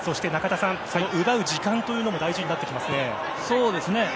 奪う時間というのも大事になってきますね。